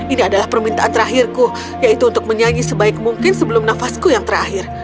ini adalah permintaan terakhirku yaitu untuk menyanyi sebaik mungkin sebelum nafasku yang terakhir